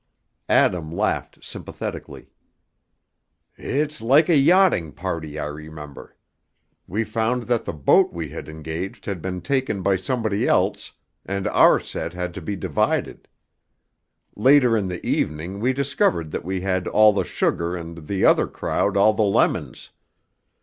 Adam laughed sympathetically. "It's like a yachting party I remember; we found that the boat we had engaged had been taken by somebody else, and our set had to be divided. Later in the evening we discovered that we had all the sugar and the other crowd all the lemons.